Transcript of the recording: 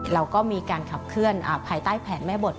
เราก็มีการขับเคลื่อนภายใต้แผนแม่บท